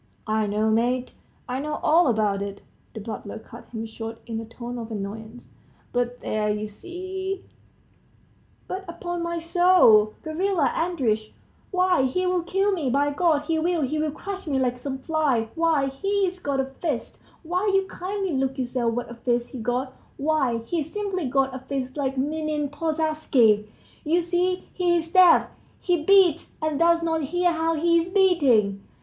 .." "I know, mate, I know all about it," the butler cut him short in a tone of annoyance: "but there, you see ..." "But upon my soul, Gavrila Andreitch! why, he'll kill me, by God, he will, he'll crush me like some fly; why, he's got a fist why, you kindly look yourself what a fist he's got; why, he's simply got a fist like Minin Pozharsky's. You see he's deaf, he beats and does not hear how he's beating!